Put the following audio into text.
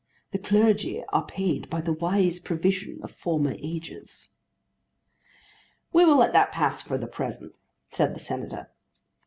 "The clergy are paid by the wise provision of former ages." "We will let that pass for the present," said the Senator.